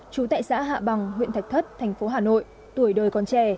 chú tại xã hạ bằng huyện thạch thất thành phố hà nội tuổi đời con trẻ